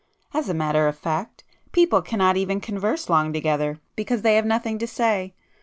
As a matter of fact, people cannot even converse long together because they have nothing to say.